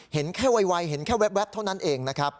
เห็นแค่ไวเห็นแค่แว๊บเท่านั้นเองนะครับ